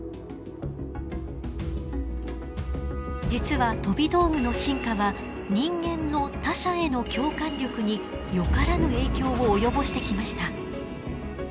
実は飛び道具の進化は人間の他者への共感力によからぬ影響を及ぼしてきました。